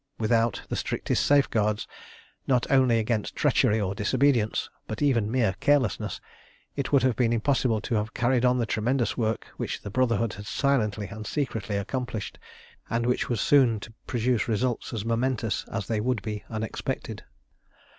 Without the strictest safeguards, not only against treachery or disobedience, but even mere carelessness, it would have been impossible to have carried on the tremendous work which the Brotherhood had silently and secretly accomplished, and which was soon to produce results as momentous as they would be unexpected.